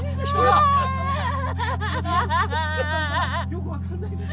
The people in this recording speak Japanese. よく分かんないです。